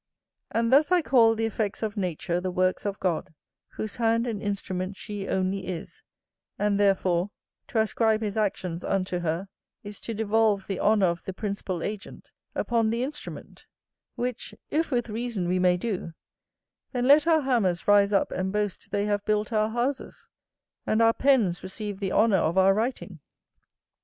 And thus I call the effects of nature the works of God, whose hand and instrument she only is; and therefore, to ascribe his actions unto her is to devolve the honour of the principal agent upon the instrument; which if with reason we may do, then let our hammers rise up and boast they have built our houses, and our pens receive the honour of our writing.